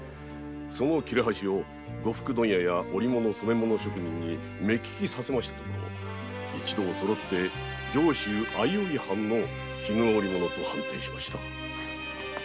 その切れ端を呉服問屋や職人に目利きさせましたところ上州相生藩の絹織物と判定しました。